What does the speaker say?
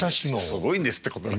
「すごいんです」ってこと。